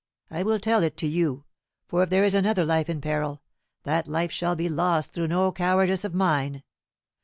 I will tell it to you; for if there is another life in peril, that life shall be lost through no cowardice of mine."